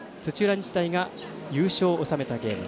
日大が優勝を収めたゲーム。